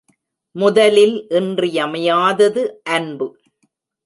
முதலில் இன்றியமையாதது அன்பு.